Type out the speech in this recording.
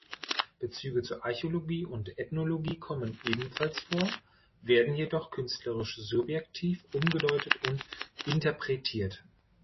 Bezüge zur Archäologie und Ethnologie kommen ebenfalls vor, werden jedoch künstlerisch-subjektiv umgedeutet und interpretiert.